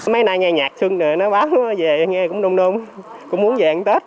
mấy nay nghe nhạc xuân rồi nó báo về nghe cũng đông đông cũng muốn về ăn tết